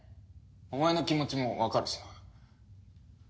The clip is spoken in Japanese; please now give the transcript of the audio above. お前の気持ちもわかるしな。